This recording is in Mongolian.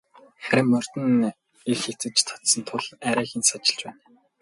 Харин морьд нь их эцэж цуцсан тул арайхийн сажилж байна.